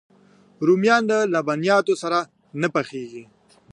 رومیان له لبنیاتو سره نه پخېږي